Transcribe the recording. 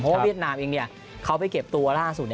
เพราะว่าเวียดนามเองเขาไปเก็บตัวล่าสุด